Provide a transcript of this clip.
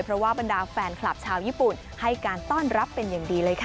เพราะว่าบรรดาแฟนคลับชาวญี่ปุ่นให้การต้อนรับเป็นอย่างดีเลยค่ะ